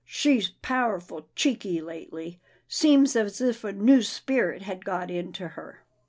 She's powerful cheeky lately. Seems as if a new spirit had got into her."